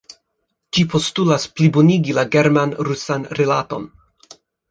Ĝi postulas plibonigi la german-rusan rilaton.